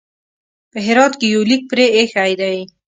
په هرات کې یو لیک پرې ایښی دی.